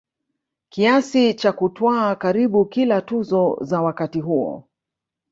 kiasi cha kutwaa karibu kila tuzo za wakati huo